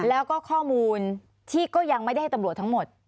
แล้วก็ข้อมูลที่ก็ยังไม่ได้ให้ตำรวจทั้งหมด